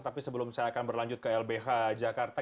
tapi sebelum saya akan berlanjut ke lbh jakarta